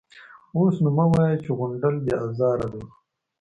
_اوس نو مه وايه چې غونډل بې ازاره دی.